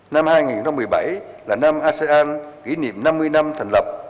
năm hai nghìn một mươi bảy là năm asean kỷ niệm năm mươi năm thành lập